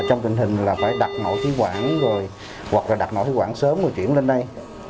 trong tình hình là phải đặt nội thí quản rồi hoặc là đặt nội thí quản sớm rồi chuyển lên đây